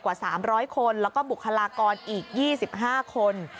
กว่า๓๐๐คนแล้วก็บุคลากรอีก๒๕คน